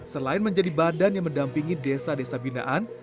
selain menjadi badan yang mendampingi desa desa binaan